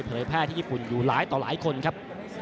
แพร่ที่ญี่ปุ่นอยู่หลายต่อหลายคนครับ